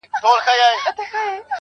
په درد آباد کي، ویر د جانان دی.